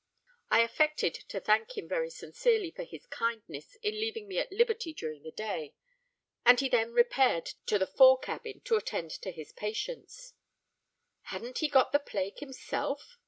_' I affected to thank him very sincerely for his kindness in leaving me at liberty during the day; and he then repaired to the fore cabin to attend to his patients." "Hadn't he got the plague himself?"